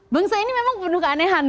bangsa ini memang penuh keanehan